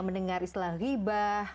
mendengar islah ribah